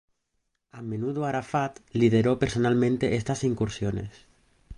A menudo Arafat lideró personalmente estas incursiones.